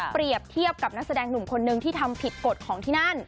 เปรียบเทียบกับนักแสดงหนุ่มคนนึงที่ทำผิดกฎของที่นั่น